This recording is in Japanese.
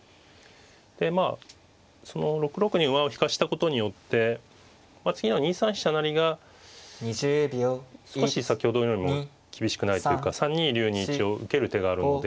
でまあその６六に馬を引かしたことによって次の２三飛車成が少し先ほどよりも厳しくないというか３二竜に一応受ける手があるので。